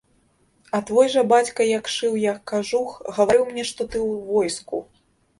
А твой жа бацька, як шыў я кажух, гаварыў мне, што ты ў войску.